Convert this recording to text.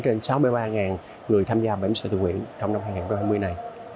trên sáu mươi ba người tham gia bếm sò tự nguyện trong năm hai nghìn hai mươi này